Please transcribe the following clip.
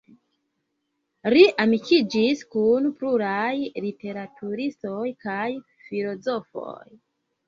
Li amikiĝis kun pluraj literaturistoj kaj filozofoj.